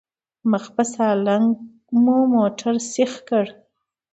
مخ په سالنګ مو موټر سيخ کړ.